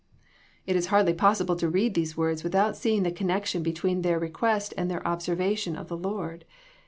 It is hardly possible to read these words without see ing the connection between their request and their observation of the Lord.